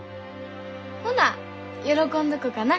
ほな喜んどこかな。